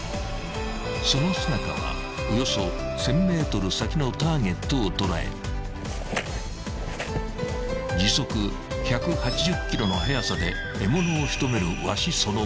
［その姿はおよそ１，０００ｍ先のターゲットを捉え時速１８０キロの速さで獲物を仕留めるワシそのもの］